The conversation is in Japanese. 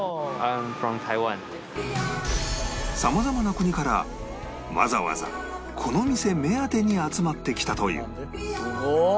様々な国からわざわざこの店目当てに集まってきたという